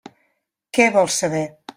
Què vols saber?